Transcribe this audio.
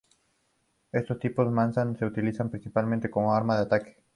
Estos tipos mazas se utilizaban principalmente como arma de ataque.